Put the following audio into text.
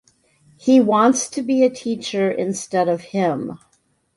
He wants to be a teacher instead of him.